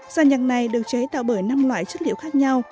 giàn nhạc này được chế tạo bởi năm loại chất liệu khác nhau